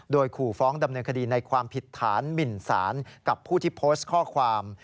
โดยขู่ฟ้องดำเนินคดีในความผิดฐานหมินสารกับผู้ที่โพสต์ข้อความ